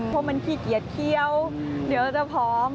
เพราะมันขี้เกียจเที่ยวเดี๋ยวเราจะพร้อม